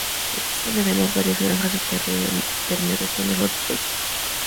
Existen además varias granjas de terneros, conejos y pollos.